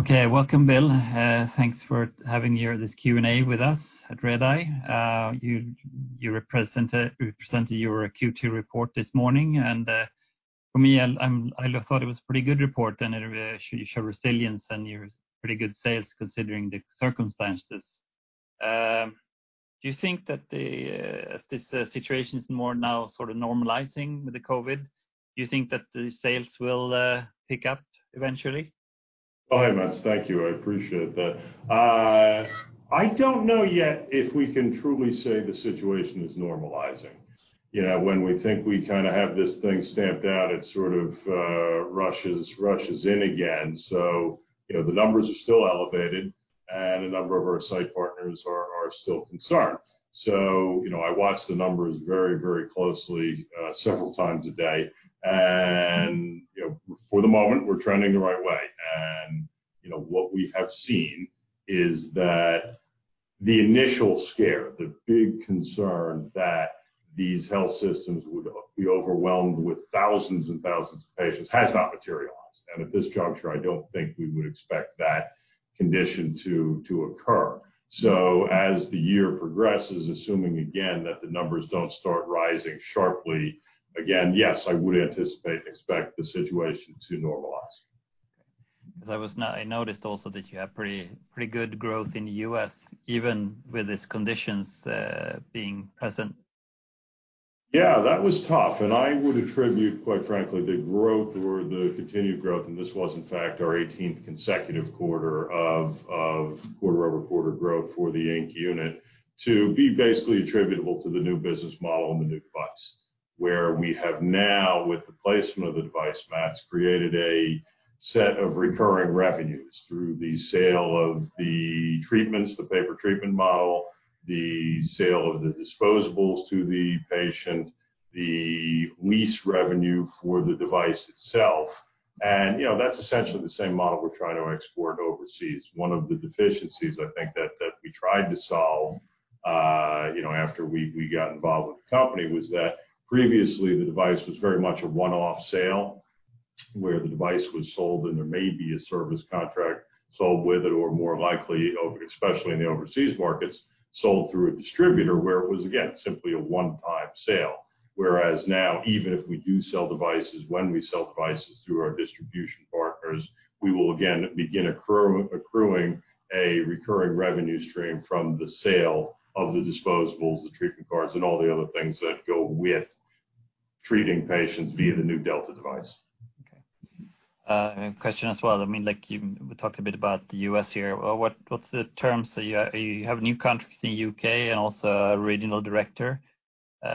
Okay. Welcome Bill. Thanks for having this Q&A with us at Redeye. You presented your Q2 report this morning and for me, I thought it was a pretty good report, and you showed resilience and pretty good sales considering the circumstances. Do you think that as this situation is more now sort of normalizing with the COVID, do you think that the sales will pick up eventually? Oh, hey Mats. Thank you. I appreciate that. I don't know yet if we can truly say the situation is normalizing. When we think we kind of have this thing stamped out, it sort of rushes in again. The numbers are still elevated, and a number of our site partners are still concerned. I watch the numbers very closely several times a day. For the moment, we're trending the right way. What we have seen is that the initial scare, the big concern that these health systems would be overwhelmed with thousands and thousands of patients, has not materialized. At this juncture, I don't think we would expect that condition to occur. As the year progresses, assuming again that the numbers don't start rising sharply again, yes, I would anticipate and expect the situation to normalize. Okay. I noticed also that you have pretty good growth in the U.S., even with these conditions being present. Yeah that was tough. I would attribute, quite frankly, the continued growth, and this was in fact our 18th consecutive quarter of quarter-over-quarter growth for the Inc. unit, to be basically attributable to the new business model and the new device. We have now, with the placement of the device, Mats, created a set of recurring revenues through the sale of the treatments, the pay-per-treatment model, the sale of the disposables to the patient, the lease revenue for the device itself. That's essentially the same model we're trying to export overseas. One of the deficiencies I think that we tried to solve after we got involved with the company was that previously the device was very much a one-off sale. Where the device was sold and there may be a service contract sold with it, or more likely, especially in the overseas markets, sold through a distributor where it was, again, simply a one-time sale. Whereas now, even if we do sell devices, when we sell devices through our distribution partners, we will again begin accruing a recurring revenue stream from the sale of the disposables, the treatment cards and all the other things that go with treating patients via the new Delta device. Okay. A question as well. We talked a bit about the U.S. here. What's the terms that you have new contracts in the U.K. and also a regional director?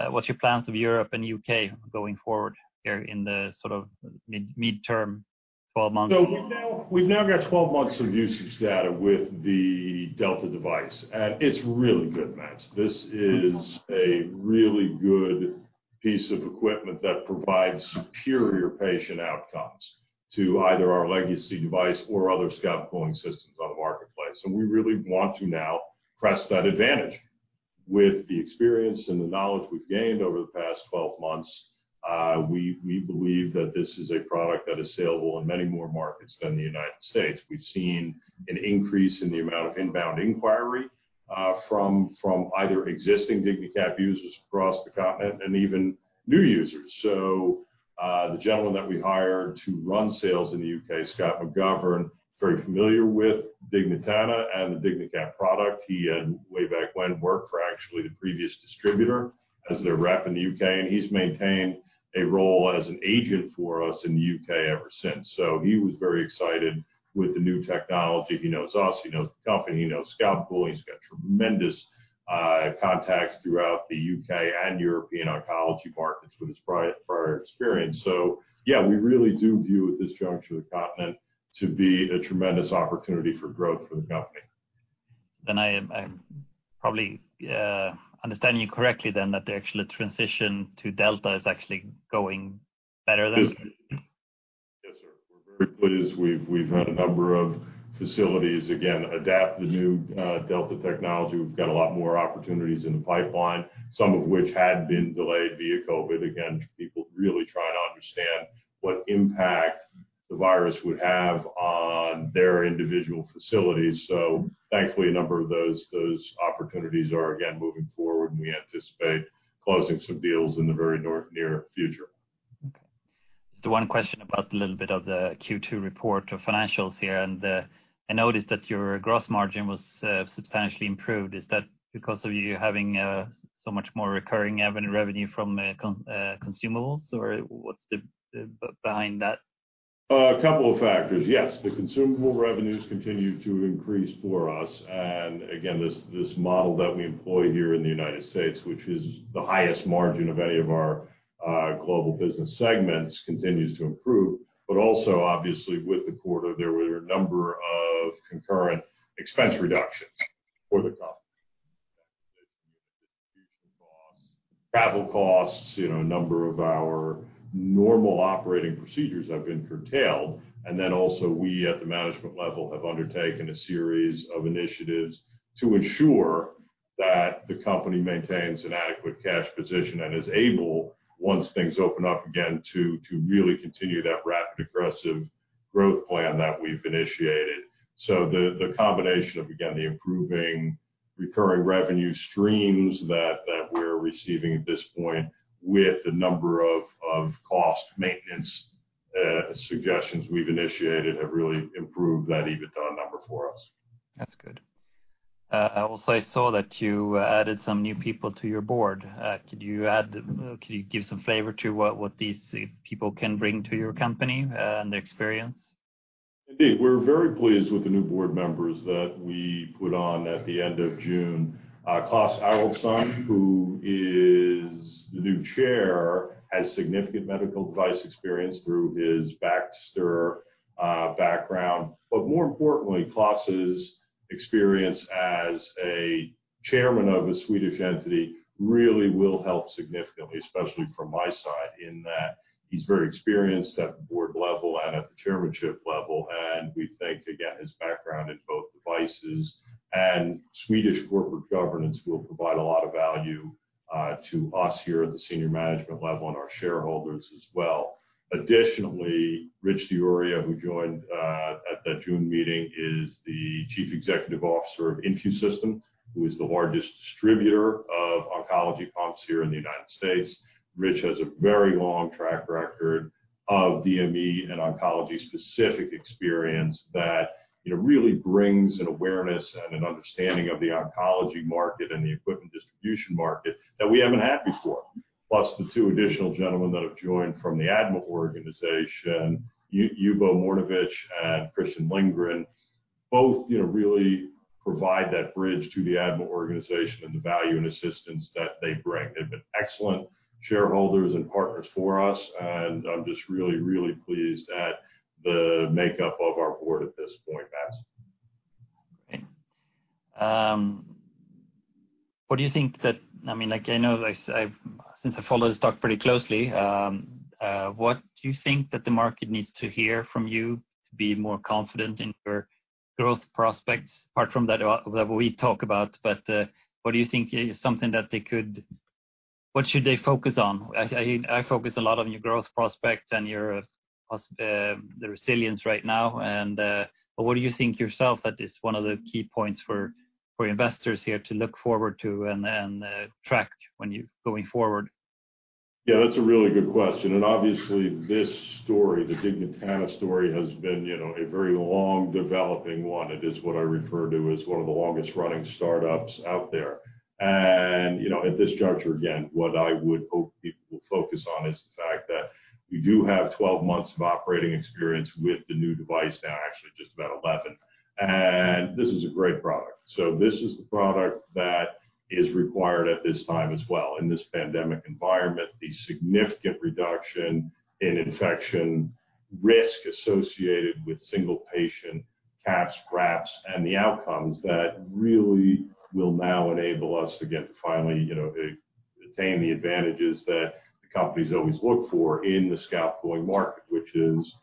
What's your plans of Europe and U.K. going forward here in the sort of midterm 12 months? We've now got 12 months of usage data with the Delta device, and it's really good, Mats. This is a really good piece of equipment that provides superior patient outcomes to either our legacy device or other scalp cooling systems on the marketplace. We really want to now press that advantage. With the experience and the knowledge we've gained over the past 12 months, we believe that this is a product that is saleable in many more markets than the United States. We've seen an increase in the amount of inbound inquiry from either existing DigniCap users across the continent and even new users. The gentleman that we hired to run sales in the U.K., Scott McGovern, very familiar with Dignitana and the DigniCap product. He, way back when worked for actually the previous distributor as their rep in the U.K., and he's maintained a role as an agent for us in the U.K. ever since. He was very excited with the new technology. He knows us, he knows the company, he knows scalp cooling. He's got tremendous contacts throughout the U.K. and European oncology markets with his prior experience. Yeah, we really do view at this juncture the continent to be a tremendous opportunity for growth for the company. I am probably understanding you correctly then that the actual transition to Delta is actually going better than? Yes sir. We're very pleased. We've had a number of facilities again adapt the new Delta technology. We've got a lot more opportunities in the pipeline, some of which had been delayed via COVID. Again, people really trying to understand what impact the virus would have on their individual facilities. Thankfully, a number of those opportunities are again moving forward, and we anticipate closing some deals in the very near future. Okay. Just one question about a little bit of the Q2 report or financials here. I noticed that your gross margin was substantially improved. Is that because of you having so much more recurring revenue from consumables or what's behind that? A couple of factors. Yes, the consumable revenues continue to increase for us, again, this model that we employ here in the U.S., which is the highest margin of any of our global business segments, continues to improve. Also obviously with the quarter, there were a number of concurrent expense reductions for the company. distribution costs, travel costs. A number of our normal operating procedures have been curtailed. Also we at the management level have undertaken a series of initiatives to ensure that the company maintains an adequate cash position and is able, once things open up again, to really continue that rapid aggressive growth plan that we've initiated. The combination of, again, the improving recurring revenue streams that we're receiving at this point with the number of cost maintenance suggestions we've initiated have really improved that EBITDA number for us. That's good. I saw that you added some new people to your board. Could you give some flavor to what these people can bring to your company and their experience? Indeed, we're very pleased with the new board members that we put on at the end of June. Klas Arildsson, who is the new Chair, has significant medical device experience through his Baxter background. More importantly, Klas' experience as a chairman of a Swedish entity really will help significantly, especially from my side, in that he's very experienced at the board level and at the chairmanship level. We think, again, his background in both devices and Swedish corporate governance will provide a lot of value to us here at the senior management level and our shareholders as well. Additionally, Rich DiIorio, who joined at that June meeting, is the Chief Executive Officer of InfuSystem, who is the largest distributor of oncology pumps here in the U.S. Rich has a very long track record of DME and oncology-specific experience that really brings an awareness and an understanding of the oncology market and the equipment distribution market that we haven't had before. The two additional gentlemen that have joined from the ADMA organization, Ljubo Mrnjavac and Christian Lindgren, both really provide that bridge to the ADMA organization and the value and assistance that they bring. They've been excellent shareholders and partners for us, I'm just really really pleased at the makeup of our board at this point Mats. Great. What do you think that, I know since I follow this talk pretty closely, what do you think that the market needs to hear from you to be more confident in your growth prospects, apart from that level we talk about. What should they focus on? I focus a lot on your growth prospects and the resilience right now. What do you think yourself that is one of the key points for investors here to look forward to and track when you're going forward? That's a really good question. Obviously this story, the Dignitana story has been a very long developing one. It is what I refer to as one of the longest running startups out there. At this juncture, again, what I would hope people will focus on is the fact that we do have 12 months of operating experience with the new device now, actually just about 11. This is a great product. This is the product that is required at this time as well. In this pandemic environment, the significant reduction in infection risk associated with single-patient caps, wraps, and the outcomes that really will now enable us to get to finally attain the advantages that the companies always look for in the scalp cooling market, which is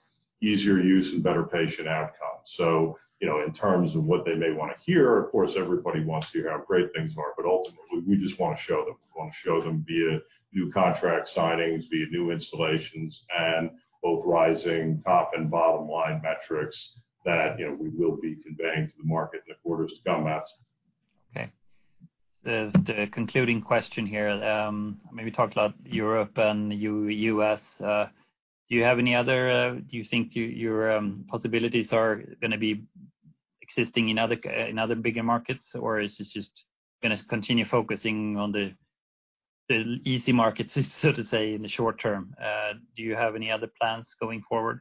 easier use and better patient outcomes. In terms of what they may want to hear, of course, everybody wants to hear how great things are, but ultimately, we just want to show them. We want to show them via new contract signings via new installations, and both rising top and bottom line metrics that we will be conveying to the market in the quarters to come Mats. Okay. The concluding question here, maybe talked about Europe and U.S. Do you think your possibilities are going to be existing in other bigger markets, or is this just going to continue focusing on the easy markets, so to say, in the short term? Do you have any other plans going forward?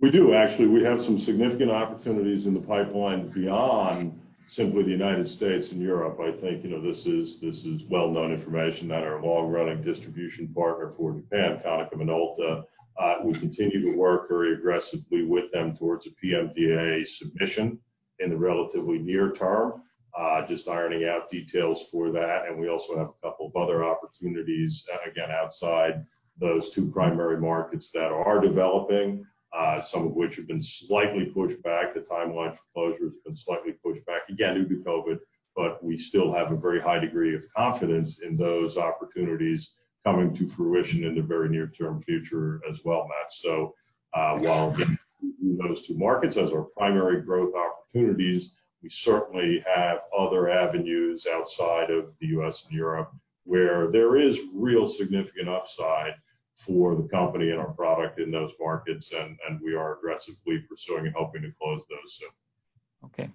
We do actually. We have some significant opportunities in the pipeline beyond simply the United States and Europe. I think, this is well-known information that our long-running distribution partner for Japan, Konica Minolta. We continue to work very aggressively with them towards a PMDA submission in the relatively near term. Just ironing out details for that, and we also have a couple of other opportunities, again, outside those two primary markets that are developing, some of which have been slightly pushed back. The timeline for closure has been slightly pushed back, again, due to COVID, but we still have a very high degree of confidence in those opportunities coming to fruition in the very near-term future as well Mats. While those two markets as our primary growth opportunities, we certainly have other avenues outside of the U.S. and Europe where there is real significant upside for the company and our product in those markets, and we are aggressively pursuing and hoping to close those soon. Okay.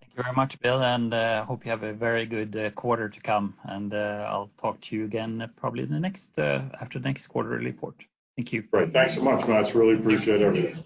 Thank you very much Bill and hope you have a very good quarter to come. I'll talk to you again probably after the next quarterly report. Thank you. Great. Thanks so much Mats. Really appreciate everything.